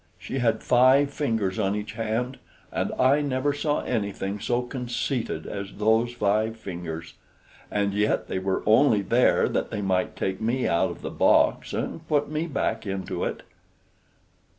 She had five fingers on each hand, and I never saw anything so conceited as those five fingers. And yet they were only there that they might take me out of the box and put me back into it."